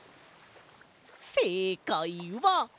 せいかいは。